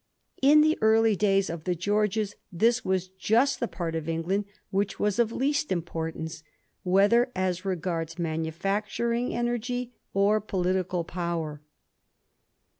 In the early days of the Georges this was just the part of England which was of least importance, whether as regards manufacturing energy or political power.